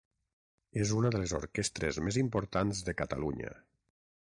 És una de les orquestres més importants de Catalunya.